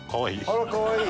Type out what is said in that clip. あらかわいい。